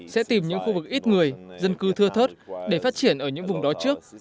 sẽ tìm những khu vực ít người dân cư thưa thớt để phát triển ở những vùng đó trước